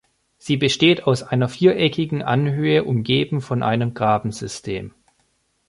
Sie besteht aus einer viereckigen Anhöhe umgeben von einem Grabensystem.